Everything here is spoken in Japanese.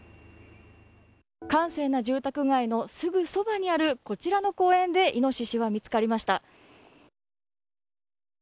閑静な住宅街のすぐそばにあるこちらの公園でイノシシは見つかりました。